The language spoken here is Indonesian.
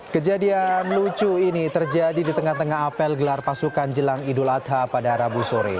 kejadian lucu ini terjadi di tengah tengah apel gelar pasukan jelang idul adha pada rabu sore